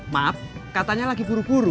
maaf katanya lagi buru buru